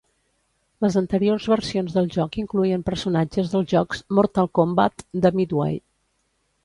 Les anteriors versions del joc incloïen personatges dels jocs "Mortal Kombat" de Midway.